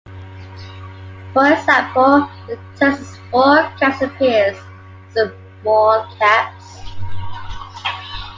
For example, the "Text in small caps" appears as in small caps.